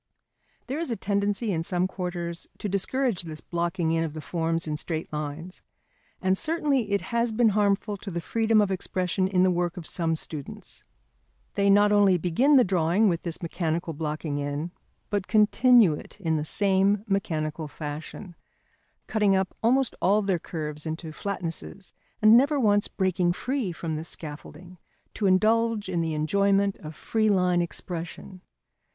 There is a tendency in some quarters to discourage this blocking in of the forms in straight lines, and certainly it has been harmful to the freedom of expression in the work of some students. They not only begin the drawing with this mechanical blocking in, but continue it in the same mechanical fashion, cutting up almost all their curves into flatnesses, and never once breaking free from this scaffolding to indulge in the enjoyment of free line expression.